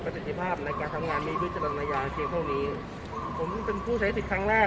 สิทธิภาพในการทำงานมีวิจารณญาณเพียงเท่านี้ผมเป็นผู้ใช้สิทธิ์ครั้งแรก